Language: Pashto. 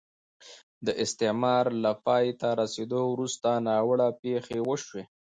د استعمار له پای ته رسېدو وروسته ناوړه پېښې وشوې.